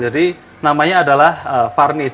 jadi namanya adalah farnis